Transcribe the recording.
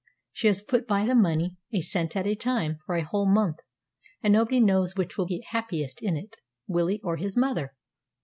She has put by the money, a cent at a time, for a whole month; and nobody knows which will be happiest in it, Willie or his mother.